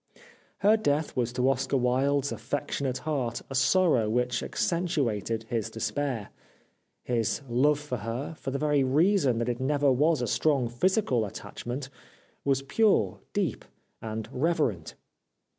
Her death was to Oscar Wilde's affectionate heart a sorrow which accentuated his despair. His love for her, for the very reason that it never was a strong physical attachment, was pure, deep, and reverent.